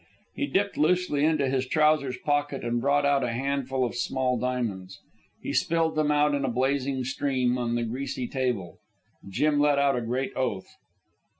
He dipped loosely into his trousers pocket and brought out a handful of small diamonds. He spilled them out in a blazing stream on the greasy table. Jim let out a great oath.